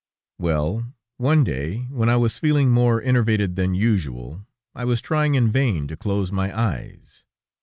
Well, one day when I was feeling more enervated than usual, I was trying in vain to close my eyes.